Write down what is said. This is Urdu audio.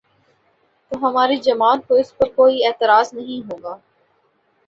تو ہماری جماعت کو اس پر کوئی اعتراض نہیں ہو گا۔